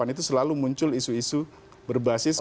itu selalu muncul isu isu berbasis